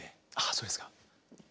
そうですか。